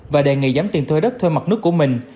và đề nghị giảm tiền thuê đất thuê mặt nước của mình